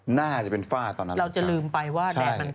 หน้าจะเป็นฝ้าตอนนั้นแหละครับครับใช่ถูกต้อง